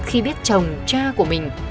khi biết chồng cha của minh